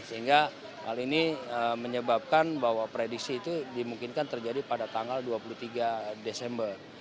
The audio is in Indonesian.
sehingga hal ini menyebabkan bahwa prediksi itu dimungkinkan terjadi pada tanggal dua puluh tiga desember